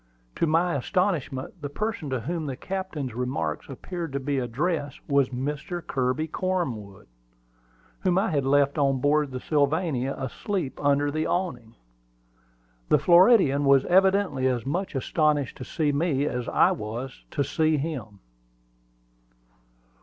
To my astonishment, the person to whom the Captain's remark appeared to be addressed was Mr. Kirby Cornwood, whom I had left on board of the Sylvania, asleep under the awning. The Floridian was evidently as much astonished to see me as I was to see him.